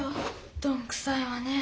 どんくさいわね。